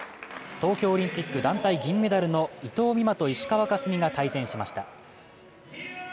東京オリンピック団体銀メダルの伊藤美誠と石川佳純が対戦しました。